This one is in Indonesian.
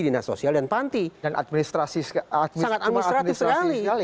dan administrasi sekali